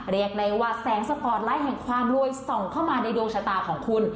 เรียกได้ว่าแสงสปอร์ตไลท์แห่งความรวยส่องเข้ามาในดวงชะตาของคุณ